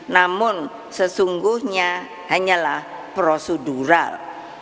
namun sesungguhnya hanyalah prosedural